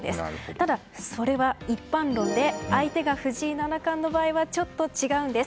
ただ、それは一般論で相手が藤井七冠の場合はちょっと違うんです。